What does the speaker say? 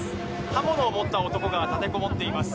刃物を持った男が立てこもっています